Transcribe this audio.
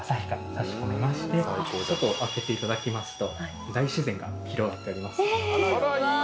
開けていただきますと大自然が広がっております。